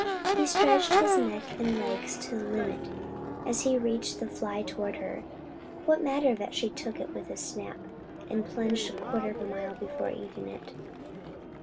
He stretched his neck and legs to the limit as he reached the fly toward her. What matter that she took it with a snap, and plunged a quarter of a mile before eating it?